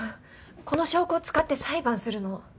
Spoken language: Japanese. この証拠を使って裁判するの。